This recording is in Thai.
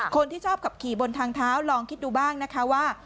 คนที่ชอบขับขี่บนทางเท้าลองคิดดูบ้างนะคะว่า